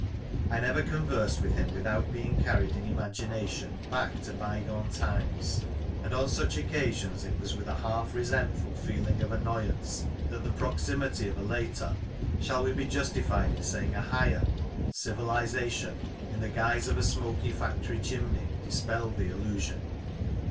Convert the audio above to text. I never conversed with him without being carried in imagination, back to bygone times, and on such occasions it was with a half resentful feeling of annoyance that the proximity of a later — shall we 20 Lancashire Characters and Places, be justified in saying a higher ?— civilisation, in the guise of a smoky factory chimney, dispelled the illusion.